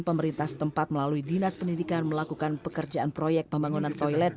pemerintah setempat melalui dinas pendidikan melakukan pekerjaan proyek pembangunan toilet